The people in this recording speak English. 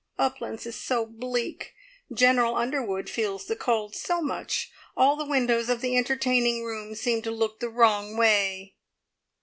"Uplands is so bleak. General Underwood feels the cold so much. All the windows of the entertaining rooms seem to look the wrong way."